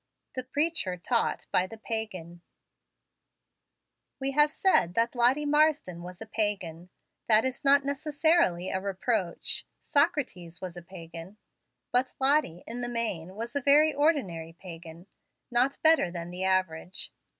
THE PREACHER TAUGHT BY THE PAGAN We have said that Lottie Marsden was a pagan. That is not necessarily a reproach. Socrates was a pagan. But Lottie, in the main, was a very ordinary pagan, not better than the average.